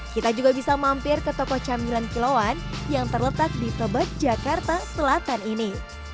kita juga bisa mampir ke toko camilan kiloan yang terletak di tebet jakarta selatan ini